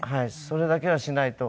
それだけはしないと。